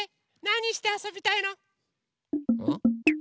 なにしてあそびたいの？